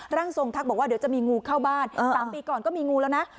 ร่างทรงทักบอกว่าเดี๋ยวจะมีงูเข้าบ้าน๓ปีก่อนก็มีงูแล้วนะ